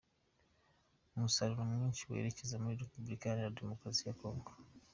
Umusaruro mwinshi werekeza muri Repubulika Iharanira Demokarasi ya Congo .